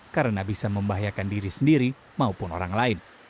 karena bisa membahayakan diri sendiri maupun orang lain